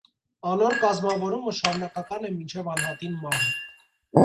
Անոր կազմաւորումը շարունակական է մինչեւ անհատին մահը։